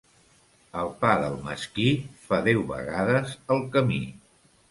El pa del mesquí fa deu vegades el camí.